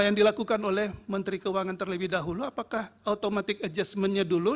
yang dilakukan oleh menteri keuangan terlebih dahulu apakah automatic adjustmentnya dulu